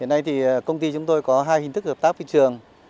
hiện nay thì công ty chúng tôi có hai hình thức hợp tác với trường